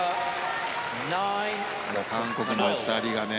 韓国の２人がね